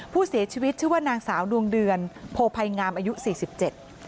ผู้เสียชีวิตชื่อว่านางสาวดวงเดือนโพภัยงามอายุสี่สิบเจ็ด